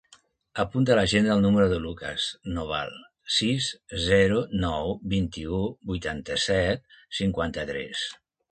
Apunta a l'agenda el número del Lukas Noval: sis, zero, nou, vint-i-u, vuitanta-set, cinquanta-tres.